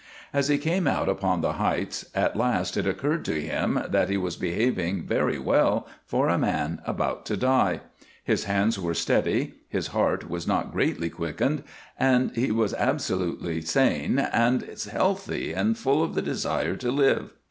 As he came out upon the heights at last it occurred to him that he was behaving very well for a man about to die. His hand was steady, his heart was not greatly quickened, he was absolutely sane and healthy and full of the desire to live.